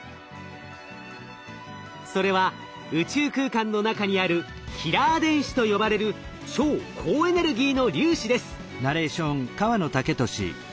それは宇宙空間の中にあるキラー電子と呼ばれる超高エネルギーの粒子です。